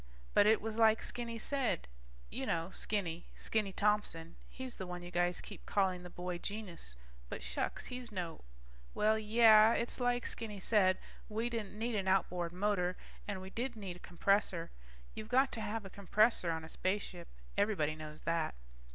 But it was like Skinny said ... You know, Skinny. Skinny Thompson. He's the one you guys keep calling the boy genius, but shucks, he's no ... Well, yeah, it's like Skinny said, we didn't need an outboard motor, and we did need a compressor. You've got to have a compressor on a spaceship, everybody knows that.